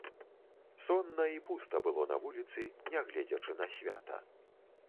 Сонна і пуста было на вуліцы, нягледзячы на свята.